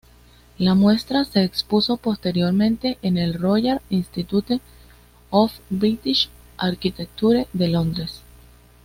La muestra se expuso posteriormente en el Royal Institute of British Architecture de Londres.